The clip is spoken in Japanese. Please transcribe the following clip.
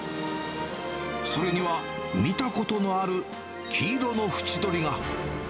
それには見たことのある黄色の縁取りが。